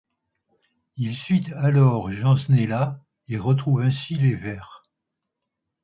Il suit alors Jean Snella et retrouve ainsi les Verts.